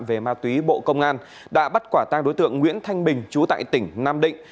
về ma túy bộ công an đã bắt quả tang đối tượng nguyễn thanh bình chú tại tỉnh nam định